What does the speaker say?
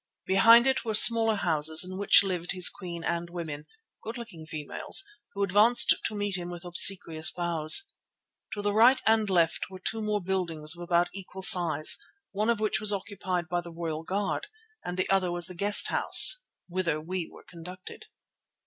Behind it were smaller houses in which lived his queen and women, good looking females, who advanced to meet him with obsequious bows. To the right and left were two more buildings of about equal size, one of which was occupied by the royal guard and the other was the guest house whither we were conducted.